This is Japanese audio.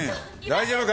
大丈夫？